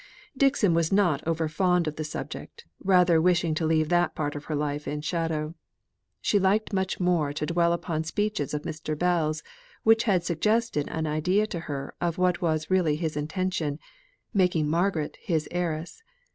Dixon was not over fond of the subject, rather wishing to leave that part of her life in shadow. She liked much more to dwell upon speeches of Mr. Bell's, which had suggested an idea to her of what was really his intention making Margaret his heiress.